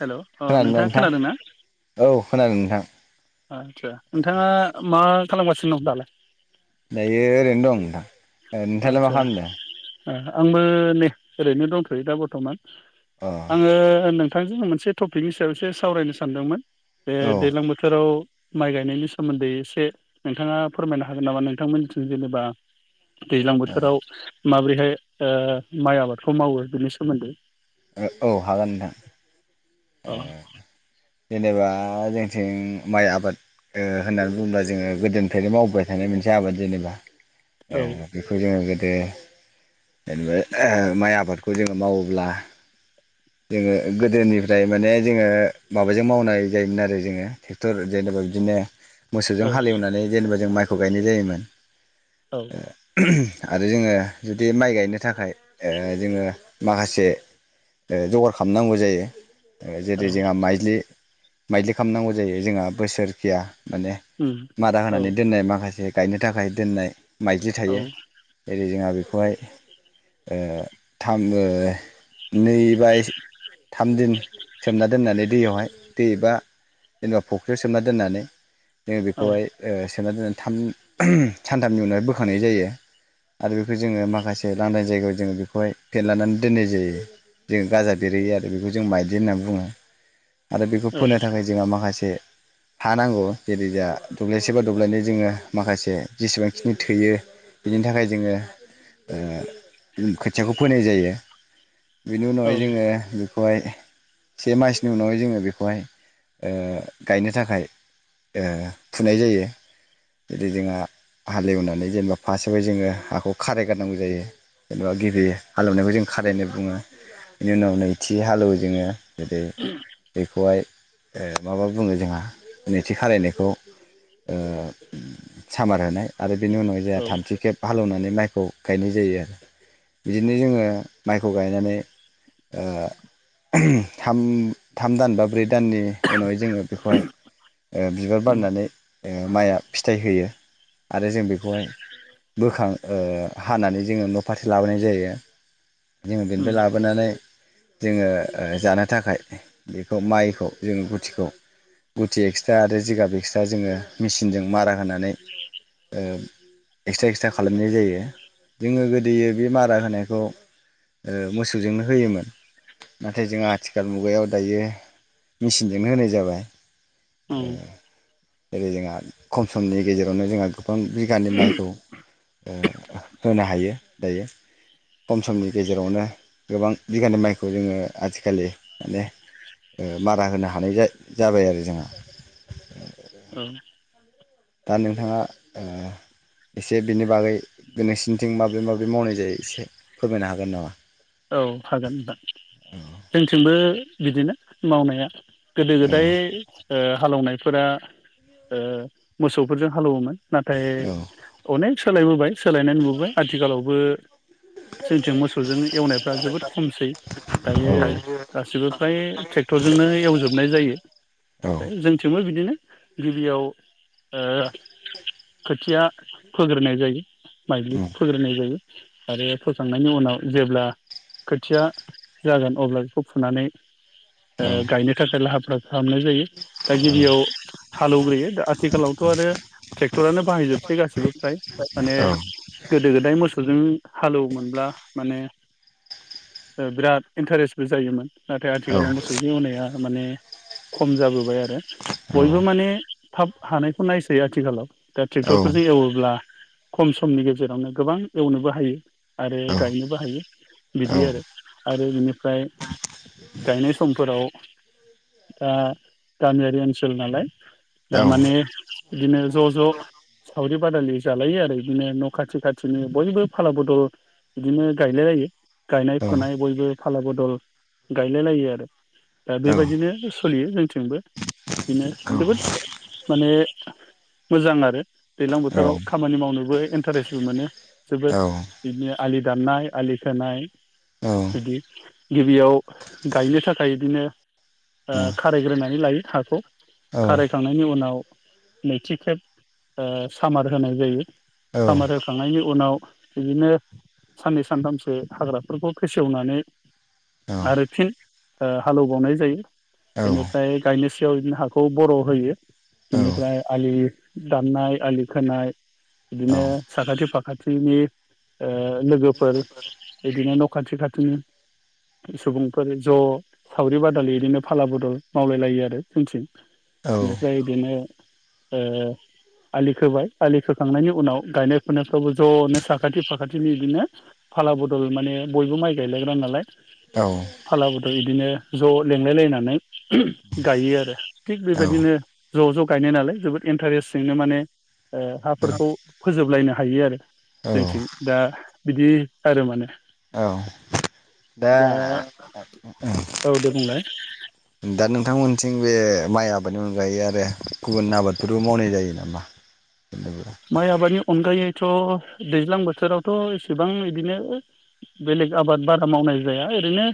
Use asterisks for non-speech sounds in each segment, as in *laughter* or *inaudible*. हेल' अ खोनादोना नोंथाङा नोंथां खोनादों ना औ खोनादों नोंथां आदसा नोंथाङा मा खालामगासिनो दं दालाय दायो ओरैनो दं नोंथां ओ नोंथाङालाय आदसा मा खालामदो दा ओ आंबो नै ओरैनो दंथ'यो दा बर्थमान अ आङो नों थांजों मोनसे टपिकनि सायावसो सावरायनो सानदोंमोन बे औ दैज्लां बोथोराव माइ गायनायनि सोमोन्दै एसे नोंथाङा फोरमायनो हागोन नामा नोंथांमोननिथिं जेनेबा दैज्लां बोथोराव माबोरै बेहाय माइ आबादखौ मावो बिनि सोमोन्दै औ हागोन नोंथां अ ए जेनेबा जोंथिं माइ आबाद होननानै बुङोब्ला जोङो गोदोनिफ्रायनो मावबोबाय थानाय मोनसे आबाद जेनेबा औ ओ बेखौ जोङो गोदो जेनेबा माइ आबादखौ जोङो मावोब्ला जोङो गोदोनिफ्राय माने जोङो माबाजों मावनाय जायोमोन आरो जोङो ट्रेक्टर जेनेबा बिदिनो मोसौजों औ हालवनानै जेनेबा जों माइ थरायनाय जायो होननानै औ ओ आरो जोङो जुदि माइ गायनो थाखाय ओ जोङो माखासे ओ जगार खामनांगौ जायो औ जेरै जोंहा माइजलि माइजलि खामनांगौ जायो जोंहा बोसोरकिया माने उम मारा औ होनानै दोननाय माखासे गायनो थाखाय दोननाय माइजलि औ थायो जोंहा बेखौहाय ओ थाम‌ नै बाय थाम दिन सोमना दोननानै दैयावहाय दै बा जेनेबा फुख्रियाव सोमना दोननानै जोङो औ बेखौहाय ओ सोमना दोनो सानथामनि उनावहाय बोखांनाय जायो आरो बेखौ जोङो माखासे लांदां जायगायाव जोङो बेखौहाय फेदलनानै दोननाय जायो जोङो गाजा बेरहयो आरो बेखौ जों माइजलि होननानै बुङो आरो बेखौ औ फोनो थाखाय जोंहा माखासे हा नांगौ जेरैजा दब्लायसे बा दब्लायनै जोङो माखासे जेसेबांखिनि थोयो बिनि थाखाय जोङो खोथियाखौ फोनाय जायो बेनि औ उनावहाय जोङो बेखौहाय से मासनि उनावहाय जोङो बेखौहाय ओ गायनो थाखाय फुनाय जायो जै जोंहा हालेवनानै जेनेबा फास्स्टआवहाय जोङो हाखौ खारायगारनांगौ जायो जेनेबा गिबि हालेवनायखौ जों खारायनाय बुङो बेनि उनाव नैथि हालेवो जोङो गोदै बेखौहाय ओ माबा बुङो जोंहा नैथि खालायनायखौ ओ सामार होनाय आरो बेनि उनावाय जोंहा औ थामथि खेब हालेवनानै माइ खौ गायनाय जायो आरो बिदिनो जोङो माइखौ गायनानै ओ थाम थाम दान बा ब्रै दाननि उनावहाय जोङो बेखौहाय बिबार उम बारनानै माइआ फिथाइ होयो आरो जों बेखौहाय बोखां हानानै जोङो न' फारसे लाबोनाय जायो बे उम लाबोनानै जोङो जानो थाखाय बेखौ माइखौ जों गुथिखौ गुथि एक्सट्रा आरो जिगाब एक्सट्रा जोङो मेसिनजों मारा होनानै एक्सट्रा एक्सट्रा खालामनाय जायो जोङो गोदो बे मारा होनायखौ मोसौजोंनो होयोमोन नाथाय जोंहा आथिखाल मुगायाव दायो मेचिनजोंनो होनाय जाबाय औ उम जेरै जोंहा खम समनि गेजेरावनो जोंहा गोफां बिगानि माइखौ होनो हायो दायो खम समनि गेजेराव जेरावनो गोबां बिगानि माइखौ जोङो आथिखालि माने मारा होनो हानाय जाबाय आरो जोंहा औ दा नोंथाङा एसे बेनि बागै बे नोंसिनिथिं माब्रै माब्रै मावनाय जायो एसे फोरमायनो हागोन नामा औ हागोन होनबा जोंथिंबो बिदिनो मावनाया गोदो गोदाय हालौवनायफोरा मोसौफोरजों हालौवोमोन नाथाय औ अनेख सोलायबोबाय सोलायनाय नुबोबाय आथिखालावबो जोंथिं मोसौजों एवनायफ्रा जोबोद खमसै दायो गासिबो फ्राय ट्रेक्टरजोंनो एवजोबनाय जायो औ जोंथिंबो बिदिनो गिबियाव खोथिया फोग्रोनाय जायो उम माइलिखौ फोग्रोनाय जायो आरो फोखांनायनि उनाव जेब्ला खोथिया जागोन अब्ला बेखौ फुनानै औ ओ गायनो थाखाय लाहार फाहार खालामनाय जायो दा गिबियाव हालेवग्रोयो दा आथिखालावथ' आरो ट्रेक्टरानो बाहायजोबसै गाैसैबो फ्राय माने औ गोदो गोदाय मोसौजों हालेवोमब्ला माने बिराद इन्टारेस्टबो जायोमोन नाथाय औ आथिखालाव मोसौजों एवनाया माने खम जाबोबाय आरो औ बयबो माने थाब हानायखौ नायसै आथिखालाव दा औ ट्रेक्टरफोरजों एवोब्ला खम समनि गेजेरावनो गोबां एवनोबो हायो आरो औ गायनोबो हायो औ बिदि आरो औ आरो बिनिफ्राय गायनाय समफोराव दा गामियारि ओनसोल नालाय औ औ दामाने बिदिनो ज' ज' सावरि बादालि जालायो आरो बिदिनो न' खाथि खाथिनि बयबो फाला बदल बिदिनो गायलाय लायो गायनाय औ फुनाय बयबो फाला बदल गायलाय लायो आरो दा बेबायदिनो सोलियो जों थिंबो बिदिनो जोबोद माने मोजां आरो दैलां बोथोराव खामानि मावनोबो इन्टारेस्टबो मोनो जोबोद बिनिया आलि दाननाय आलि खोनाय बिदि गिबियाव गायनो थाखाय बिदिनो ओ खारायग्रोनानै लायो हाखौ खारायखांनायनि उनाव नैथि खेब ओ सामार होनाय जायो सामार होखांनायनि उनाव बिदिनो साननै सानथामसो हाग्रा बेफोरखौ फेसेवनानै आरो फिन ओ हालेवबावनाय जायो बेनिफ्राय गायनोस सियाव बिदिनो हाखौ बर' होयो बिनिफ्राय आलि दाननाय आलि खोनाय बिदिनो साखाथि फा खाथिनि ओ लोगोफोर बिदिनो न' खाथि खाथिनि सुबुंफोर ज' सावरि बादालि इदिनो फाला बदल मावलाय लायो आरो जोंथिं इनिफ्राय बेनो ओ आलि खोबाय आलि खोखांनायनि उनाव गायनाय फुनायफ्रावबो ज'नो साखाथि फाखाथिनि इदिनो फाला बद दल माने बयबो माइ गायलायग्रा नालाय औ दल इदिनो ज' लेंलाय लायनानै *unintelligible* गायो आरो थिग बेबायदिनो ज' ज' गायनाय नालाय जोबोद इन्टारेस जोंनो माने ओ हाफोरखौ फोजोबलायनो हायो आरो। जोंथिं दा बिदि आरो माने *inaudible* औ दा औ दे बुंलाय दा नोंथांमोनथिं बे माइ आबादनि अनगायै आरो गुबुन आबादफोरबो मावनाय जायो नामा? माइ *unintelligible* आबादनि अनगायैथ' दैज्लां बोथोरावथ' एसेबां इदिनो बेलेग आबाद बारा मावनाय जाया ओरैनो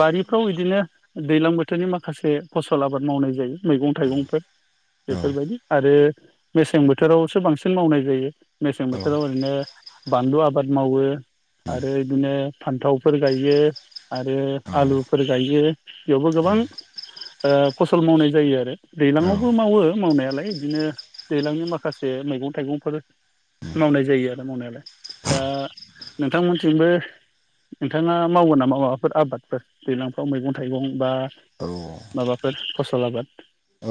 बारिफ्राव बिदिनो दैज्लां बोथोरनि माखासे फसल आबाद मावनाय जायो मैगं थाइगंफोर औ बेफोरबायदि आरो मेसें बोथोरावसो बांसि सिन मावनाय जायो मेसें औ बोथोराव ओरैनो बानलु आबाद मावो आरो बिदिनो फान्थावफोर गायो आरो आलुफोर गायो बेयावबो गोबां ओ फसल मावनाय जायो आरो औ दैज्लांआवबो मावो मावनायालाय इदिनो दैज्लांनि माखासे मैगं थाइगंफोर मावनाय जायो आरो मावनायालाय दा नोंथांमोनथिंबो नोंथाङा मावो नामा माबाफोर आबादफोर दैलांफ्राव मैगं थाइगं बा औ माबाफोर फसल आबाद।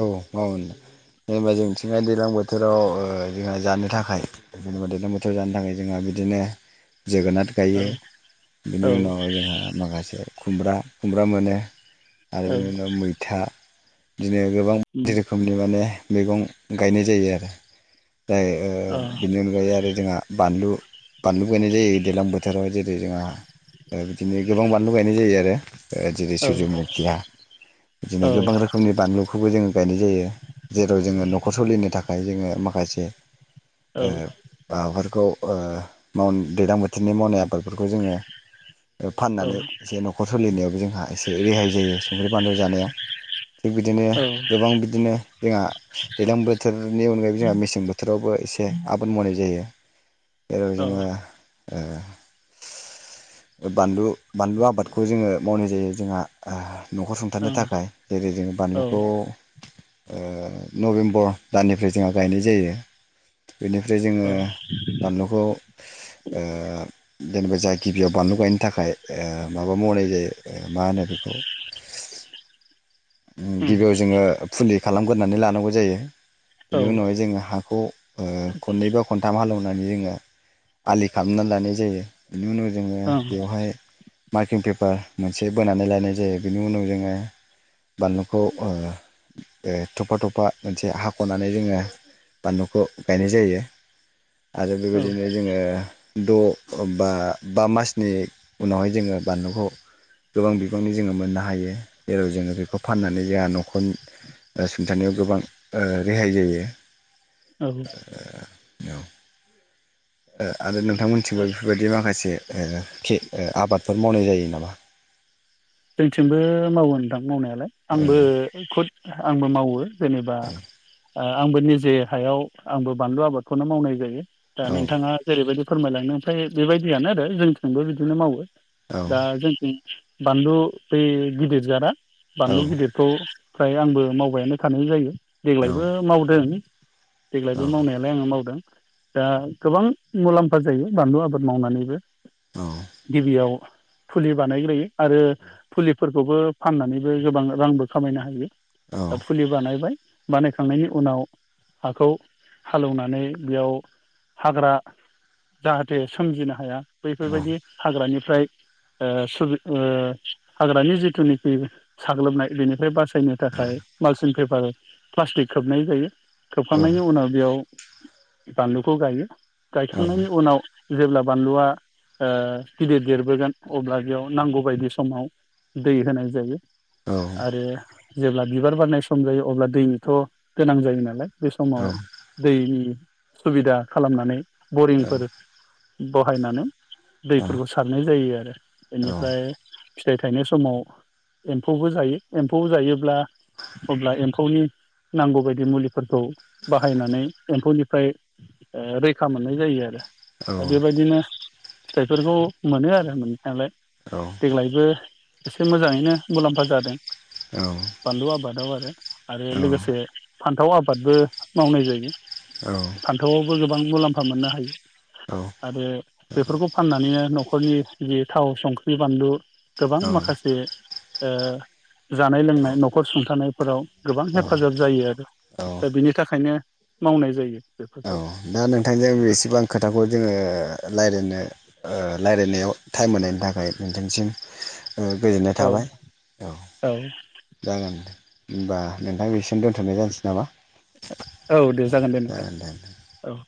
औ मावो जेनेबा जोंथिहाय दैलां बोथोराव ओ जोंहा जानो थाखाय जेनेबा दैज्लां बोथोराव जानो थाखाय जोंहा बिदिनो जोगोनाथ गायो बिनि औ उनाव जोंहा माखासे खुमब्रा खुमब्रा मोनो आरो औ बिनि उनाव मैथा दिनो गोबां बायदि उम रोखोमनि माने मैगं गायनाय जायो आरो। जाय ओ अ बिनि अनगायै आरो जोंहा बानलु बानलुुबो गायनाय जायो दैज्लां बोथोराव जेरै जोंहा थाखाय बिदिनो गोबां बानलु गायनाय जायो आरो। ओ जेरै औ सुजुमुखिया बिदिनो औ गोबां रोखोमनि बानलुखौबो जोङो गायनाय जायो। जेराव जोङो न'खर सलिनो थाख खाय जोङो माखासे ओ औ माबाफोरखौ ओ मावन दैलां बोथोरनि मावनाय आबाद फोरखौ जोङो ओ औ फाननानै एसे न'खर सलिनायावबो जोंहा एसे रेहाय जायो संख्रि बानलु जानायाव थिग बिदिनो गोबां बिदिनो आ दैलां बोथोरनि अनगायैबो जोंहा मसें बोथोरावबो एसे आबाद मावनाय जायो। जेराव जोङो बानलु बानलु आबादखौ जोङो मावनाय जायो जोंहा। न'खर सुंथानो थाखाय जेरै जों औ बानलुखौ नभेम्बर दाननिफ्राय जोंहा गायनाय जायो। बेनिफ्राय जोङो बानलुखौ ओ जेनेबा जाहा गिबियाव बानलु गायनो थाखाय माबा मावनाय जायो मा होनो बेखौ उम गिबियाव जोङो फुलि खालामगोरनानै लानांगौ जायो। औ बेनि उनावहाय जोङो हाखौ खननै बा खनथाम हालेवनानै जोङो आलि खालामना लानाय जायो। बिनि उनाव जोङो ओं बेवहाय मार्किं पेपार मोनसे बोनानै लानाय जायो। बेनि उनाव जोङो बानलुखौ थफा थफा मोनसे हाख'नानै जोङो बानलुखौ गायनाय जायो। आरो औ बेबायदिनो जोङो द' बा बा मासनि उनावहाय जोङो बानलुखौ गोबां बिबांनि जोङो मोननो हायो जेराव जोङो बेखौ फाननानै जोंहा न'खर ओ सुंथानायाव गोबां ओ रेहाय जायो। औ औ ओ आरो नोंथांमोनथिंबो बेफोरबायदि माखासे ओ आबाद मावनाय जायो नामा? जोंथिंबो मावो नो दां मावनायालाय आंबो खुद आंबो मावो जेनेबा ओ आंबो निजे हायाव आंबो बानलु आबादखौनो मावनाय जायो। दा औ नोंथाङा जेरैबायदि फोरमायलांनो ओमफ्राय बेबायदियानो आरो जोंथिंबो बिदिनो मावो। औ दा जोंनि बानलु बै गिदिर जारा बानलु औ गिदिरखौ फ्राय आंबो मावबायानो थानाय जायो। देग्लायबो मावदों। देग्लायबो मावनायालाय आङो मावदों दा गोबां मुलाम्फा जायो बानलु आबाद मावनानैबो। औ गिबियाव फुलि बानायग्रायो। आरो फुलिफोरखौबो फाननानैबो गोबां रांबो खामायनो हायो। औ दा फुलि बानायबाय बानायखांनायनि उनाव हाखौ हालोवनानै बेयाव हाग्रा जाहाथे सोमजिनो हाया बैफोरबायदि हाग्रानि फ्राय ओ सुबि ओ हाग्रानि जिथुनिखि साग्लोबनाय बेनिफ्राय बास सायनो थाखाय मालसिन पेपार प्लास्टिक खोबनाय जायो। खोबखांनायनि उनाव बेयाव बान्लुखौ गायो। गायखांनायनि उनाव जेब्ला बानलुआ ओ गिदिर देरबोगोन अब्ला बेयाव नांगौ बायदि समाव दै होनाय जायो। आरो जेब्ला बिबार बारनाय सम जायो अब्ला दैथ' गोनां जायो नालाय। बे समाव दैनि सुबिदा खालामनानै ब'रिं फोर बहायनानै दैफोरखौ सारनाय जायो आरो। बेनिफ्राय फिथाइ थायनाय समाव एम्फौबो जायो एम्फौ जायोब्ला अब्ला एम्फौनि नांगौबायदि मुलि फोरखौ बाहायनानै एम्फौनि फ्राय ओ रैखा मोननाय जायो आरो। दा बेबायदिनो फिथाइफोरखौ मोनो आरो मोननायालाय। दा देग्लायबो एसे मोजाङैनो मुलाम्फा जादों। बान्लुआ आबादाव आरो आरो लोगोसे फान्थाव आबादबो मावनाय जायो। फान्थावआवबो गो बां मुलाम्फा मोननो हायो। आरो बेफोरखौ फाननानैनो न'ख खरनि जि थाव सं ख्रि बानलु गोबां माखासे ओ जानाय लोंनाय न'खर सुंथानाय फोराव गोबां हेफाजाब जायो आरो। दा बिनि थाखायनो मावनाय जायो। औ बेफोरखौ दा नोंथांजों बेसेबां खोथाखौ जोङो लायरायनो ओ लायरायनायाव टाइम होनायनि थाखाय नोंथांनिसिम ओ गोजोननाय औ थाबाय औ जागोन दे। होमबा नोंथां बेसिम दोनथ'नाय जानसै नामा? औ दे जागोन दे नोंथां। औ।